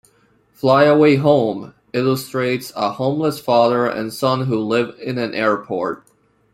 "Fly Away Home" illustrates a homeless father and son who live in an airport.